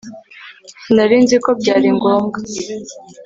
sinari nzi ko byari ngombwa